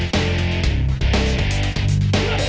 kau menangnya adalah